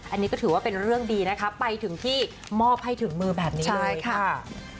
อันนี้ก็ถือว่าเป็นเรื่องดีนะคะไปถึงที่มอบให้ถึงมือแบบนี้เลยค่ะ